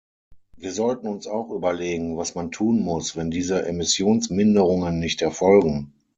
Wir sollten uns auch überlegen, was man tun muss, wenn diese Emissionsminderungen nicht erfolgen.